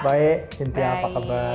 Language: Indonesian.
baik cynthia apa kabar